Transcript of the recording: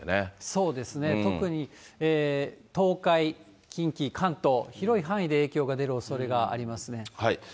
そうですね、特に東海、近畿、関東、広い範囲で影響が出るおそれがありますね。